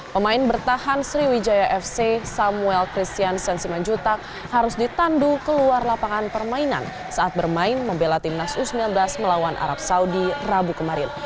pemain bertahan sriwijaya fc samuel christiansen simanjuntak harus ditandu keluar lapangan permainan saat bermain membela timnas u sembilan belas melawan arab saudi rabu kemarin